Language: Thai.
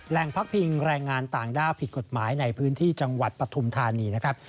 พักพิงแรงงานต่างด้าวผิดกฎหมายในพื้นที่จังหวัดปฐุมธานีนะครับ